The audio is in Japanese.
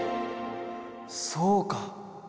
そうか！